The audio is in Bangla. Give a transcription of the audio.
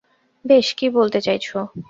বেশ, কী বলতে চাইছো?